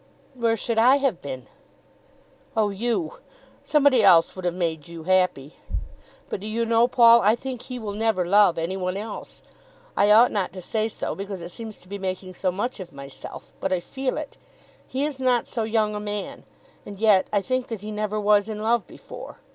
"Where should I have been?" "Oh, you! Somebody else would have made you happy. But do you know, Paul, I think he will never love any one else. I ought not to say so, because it seems to be making so much of myself. But I feel it. He is not so young a man, and yet I think that he never was in love before.